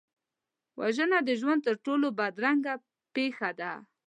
وژنه د ژوند تر ټولو بدرنګه پېښه ده